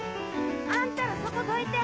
あんたらそこどいて！